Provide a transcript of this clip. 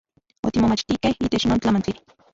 Otimomachtikej itech non tlamantli.